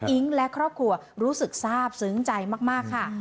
และครอบครัวรู้สึกทราบซึ้งใจมากค่ะ